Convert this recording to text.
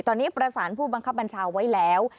ตอนนี้ประสานผู้บังคับบัญชาไว้แล้ว